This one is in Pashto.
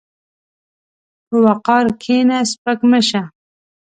په وقار کښېنه، سپک مه شه.